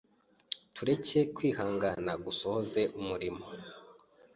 tureke kwihangana gusohoze umurimo